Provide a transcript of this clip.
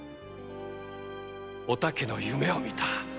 「お竹の夢を見た。